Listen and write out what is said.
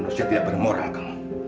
manusia tidak pernah moral kamu